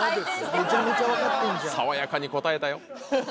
さわやかに答えたよ。